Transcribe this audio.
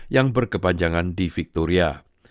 yang berkepanjangan di victoria